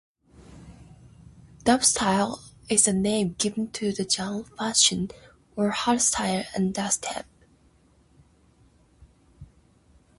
Dubstyle is the name given to the genre fusion of hardstyle and dubstep.